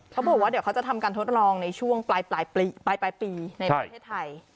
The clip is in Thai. เขาบอกว่าเดี๋ยวเขาจะทำการทดลองในช่วงปลายปีในประเทศไทย